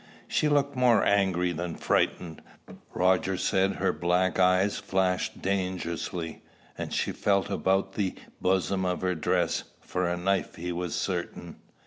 She looked more angry than frightened. Roger said her black eyes flashed dangerously, and she felt about the bosom of her dress for a knife, he was certain.